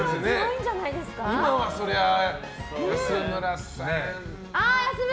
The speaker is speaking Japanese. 今はそりゃ、安村さん。